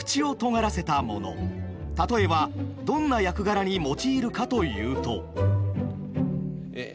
例えばどんな役柄に用いるかというと。